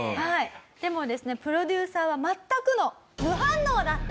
でもですねプロデューサーは全くの無反応だった。